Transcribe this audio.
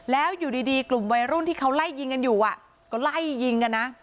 แล้วอยู่ดีกลุ่มวัยรุ่นที่เขาไล่ยิงกันอยู่ก็ไล่ยิงกันนะ